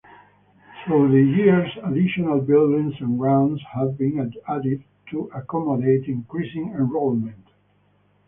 Through the years, additional buildings and grounds have been added to accommodate increasing enrollment.